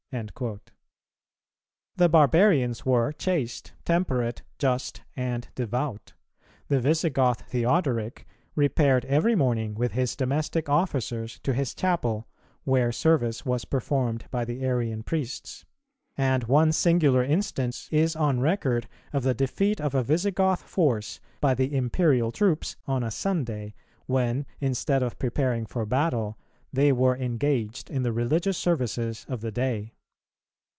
"[276:1] The barbarians were chaste, temperate, just, and devout; the Visigoth Theodoric repaired every morning with his domestic officers to his chapel, where service was performed by the Arian priests; and one singular instance is on record of the defeat of a Visigoth force by the Imperial troops on a Sunday, when instead of preparing for battle they were engaged in the religious services of the day.